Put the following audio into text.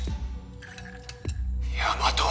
大和。